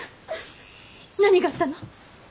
何があったの？